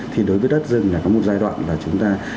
thì đối với đất rừng là có một giai đoạn là chúng ta